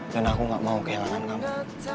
dan aku gak mau kehilangan kamu